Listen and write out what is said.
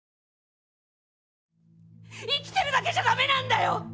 生きてるだけじゃダメなんだよ！